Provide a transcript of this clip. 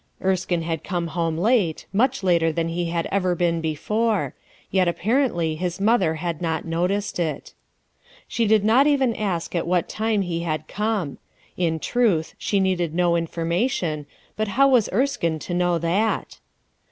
Erskine had come home late much later than he had ever been before; yet apparently his mother had not noticed it. She did not even ask at what time he had come. In truth she needed no information, but how was Erskine to know that?